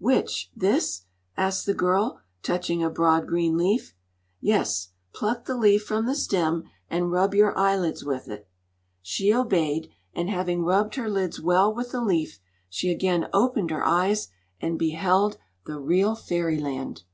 "Which this?" asked the girl, touching a broad green leaf. "Yes. Pluck the leaf from the stem and rub your eyelids with it." She obeyed, and having rubbed her lids well with the leaf, she again opened her eyes and beheld the real Fairyland.